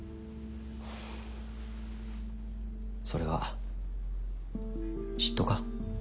それは嫉妬か？